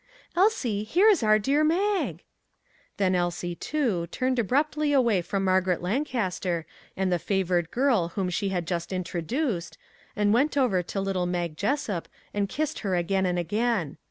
Elsie, here is our dear Mag." Then Elsie, too, turned abruptly away from Margaret Lancas ter and the favored girl whom she had just in troduced, and went over to little Mag Jessup and kissed her again and again.